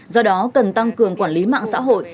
do đó cần tăng cường quản lý mạng xã hội